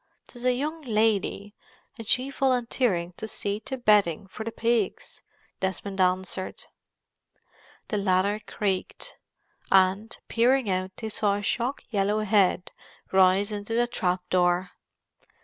"'Tis a young lady, and she volunteering to see to bedding for the pigs!" Desmond answered. The ladder creaked, and, peering out, they saw a shock yellow head rise into the trap door.